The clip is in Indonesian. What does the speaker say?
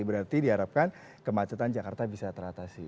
berarti diharapkan kemacetan jakarta bisa teratasi